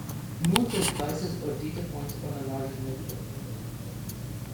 Nodes are devices or data points on a larger network.